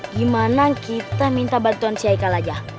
gimana kita minta bantuan si aikal aja